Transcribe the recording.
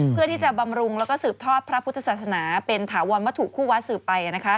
เพื่อที่จะบำรุงและสืบทอบพระพุทธศาสนาเป็นถาวรมัตถุคู่วัดสืบไป